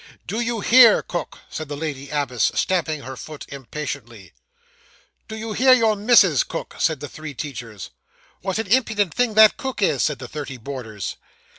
'Do you hear, cook?' said the lady abbess, stamping her foot impatiently. 'Don't you hear your missis, cook?' said the three teachers. 'What an impudent thing that cook is!' said the thirty boarders.